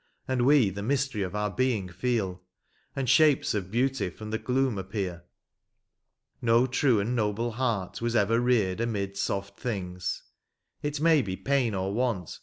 And we the mystery of our being feel, And shapes of beauty from the gloom appear. No true and noble heart was ever reared Amid soft things ; it may be pain or want.